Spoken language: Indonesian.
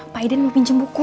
pak iden mau pinjam buku